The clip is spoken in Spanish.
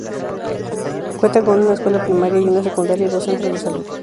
Cuenta con una escuela primaria y una secundaria y dos centros de salud.